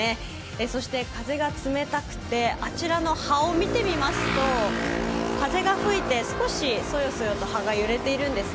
そして風が冷たくてあちらの葉を見てみますと風が吹いて少しそよそよと葉が揺れているんですね。